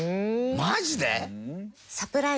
マジで！？